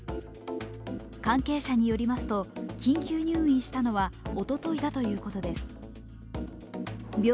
関係者によりますと、緊急入院したのはおとといだということです。